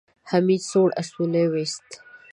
حميد سوړ اسويلی وېست.